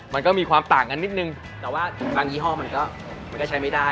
มันก็มีความต่างกันนิดนึงแต่ว่าบางยี่ห้อมันก็มันก็ใช้ไม่ได้